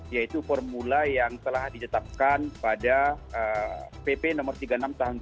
yaitu formula yang telah ditetapkan pada pp no tiga puluh enam tahun dua ribu dua puluh satu yang merupakan turunan daripada undang undang cita kerja